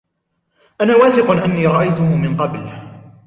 أنا واثق أني رأيتهُ من قبل.